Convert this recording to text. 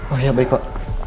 oh ya baik pak